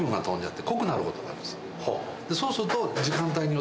そうすると。